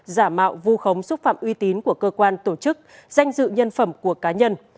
giả mạo vu khống xúc phạm uy tín của cơ quan tổ chức danh dự nhân phẩm của cá nhân